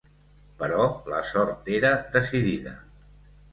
Però la sort era decidida.